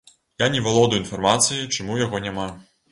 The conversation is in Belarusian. Я не валодаю інфармацыяй, чаму яго няма.